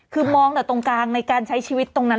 คือมองแต่ตรงกลางในการใช้ชีวิตตรงนั้น